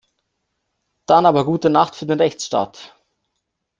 Dann aber gute Nacht für den Rechtsstaat!